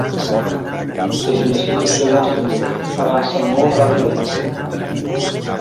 És una situació molt seriosa, avança molt ràpidament.